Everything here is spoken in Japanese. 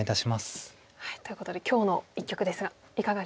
ということで今日の一局ですがいかがでしょうか？